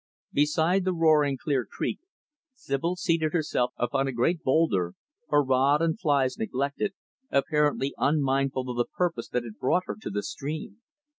Beside the roaring Clear Creek, Sibyl seated self upon a great boulder her rod and flies neglected apparently unmindful of the purpose that had brought her to the stream.